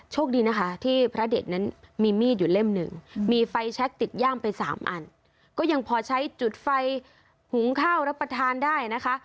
โชคดีนะคะที่พระเด็ดนั้นมีมีดอยู่เล่มหนึ่งมีไฟแชคติดย่ามไปสามอันก็ยังพอใช้จุดไฟหุงข้าวรับประทานได้นะคะ